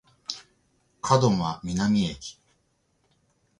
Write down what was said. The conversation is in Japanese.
門真南駅